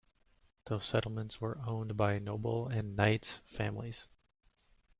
Those settlements were owned by noble and knights' families.